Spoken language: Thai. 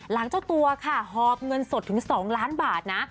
เจ้าตัวค่ะหอบเงินสดถึง๒ล้านบาทนะ